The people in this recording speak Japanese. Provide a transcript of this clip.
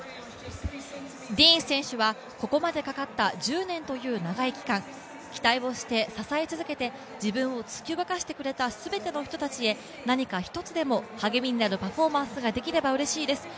ディーン選手はここまでかかった１０年という長い期間、期待をして支え続けて、自分を突き動かしてくれた全ての人たちへ、何か一つでも励みになるパフォーマンスができればうれしいです。